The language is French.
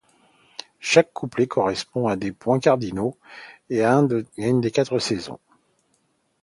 Chaque couplet correspond à un des points cardinaux et à une des quatre saisons.